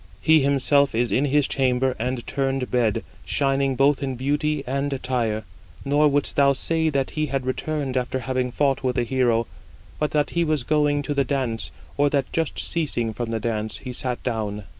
He himself is in his chamber and turned bed, shining both in beauty and attire; nor wouldst thou say that he had returned after having fought with a hero, but that he was going to the dance, or that just ceasing from the dance, he sat down."